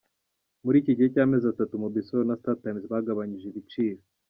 Mu gihe cy’amezi atatu, Mobisol na Star Times bagabanyije ibiciro.